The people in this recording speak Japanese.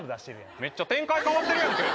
めっちゃ展開変わってるやんけ。